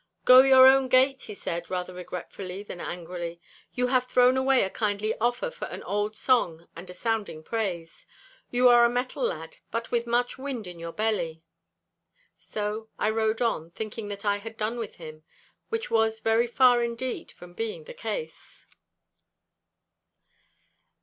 'Go your own gate,' he said, rather regretfully than angrily. 'You have thrown away a kindly offer for an old song and a sounding phrase. You are a mettle lad, but with much wind in your belly.' So I rode on, thinking that I had done with him—which was very far indeed from being the case.